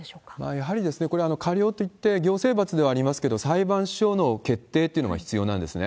やはりこれ、過料といって行政罰ではありますけれども、裁判所の決定というのが必要なんですね。